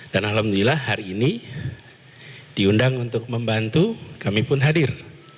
dan alhamdulillah hari ini diundang untuk membantu kami pun hadir